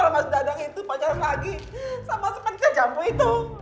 mas dadang itu pacaran lagi sama sepedika jambu itu